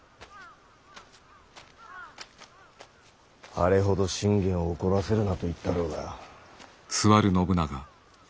あれほど信玄を怒らせるなと言ったろうが。